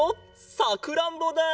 さくらんぼだ！